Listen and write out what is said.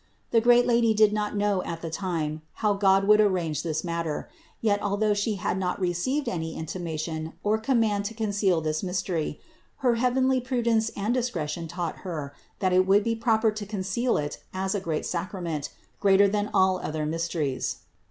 The great Lady did not know at the time, how God would arrange this matter; yet, although She had not received any intimation or command to conceal this mystery, her heavenly prudence and discretion taught Her that it would be proper to conceal it as a great sacrament, greater than all other mysteries.